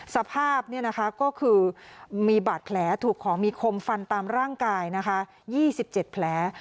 สภาพเนี่ยนะคะก็คือมีบาดแผลถูกของมีคมฟันตามร่างกายนะคะยี่สิบเจ็ดแผล